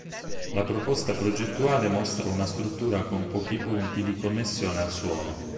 La proposta progettuale mostra una struttura con pochi punti di connessione al suolo.